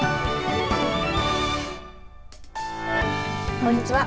こんにちは。